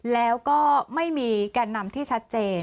แล้วก็ไม่มีแก่นนำที่ชัดเจน